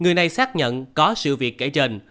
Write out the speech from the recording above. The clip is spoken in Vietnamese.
người này xác nhận có sự việc kể trền